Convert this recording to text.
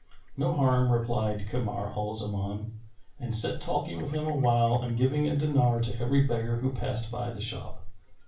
"No harm," replied Kamar al Zaman and sat talking with him awhile and giving a dinar to every beggar who passed by the shop.